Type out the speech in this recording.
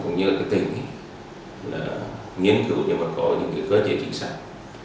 cũng như tỉnh nghiên cứu những cơ chế chính sách